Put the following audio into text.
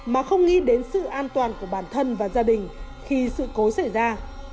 mà không nghĩ đến sự an toàn của bản thân và gia đình khi sự cố xảy ra